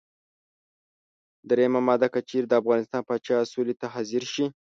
دریمه ماده: که چېرې د افغانستان پاچا سولې ته حاضر شي.